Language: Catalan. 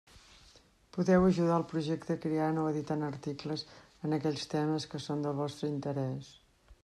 Podeu ajudar al projecte creant o editant articles en aquells temes que són del vostre interès.